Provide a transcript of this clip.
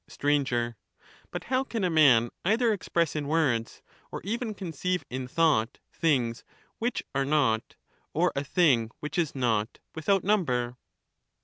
Str, But how can a man either express in words or even conceive in thought things which are not or a thing which is not without number